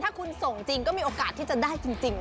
ถ้าคุณส่งจริงก็มีโอกาสที่จะได้จริง